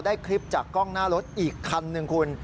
ได้คลิปจากกล้องหน้ารถอีกคัน๑คุณ